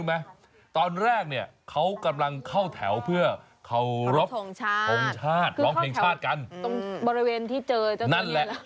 แล้วส่วนใหญ่เขาก็จะไปเข้าแถวกันตรงหน้าเสาทรงตรงสนามหญ้า